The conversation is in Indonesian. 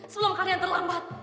sebelum kalian terlambat